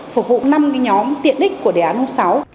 phục vụ năm cái nhóm tiện ích của đề án hôm sáu